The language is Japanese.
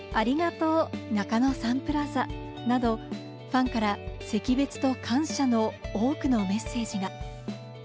ありがとう中野サンプラザ」など、ファンから惜別と感謝の多くのメッセージが。